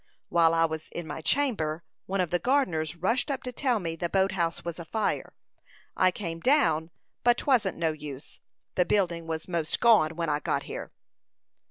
While I was in my chamber, one of the gardeners rushed up to tell me the boat house was afire. I came down, but 'twasn't no use; the building was most gone when I got here."